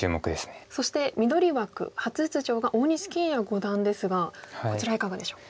そして緑枠初出場が大西研也五段ですがこちらはいかがでしょう？